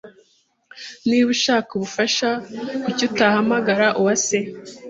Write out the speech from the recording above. Niba ushaka ubufasha, kuki utahamagara Uwase?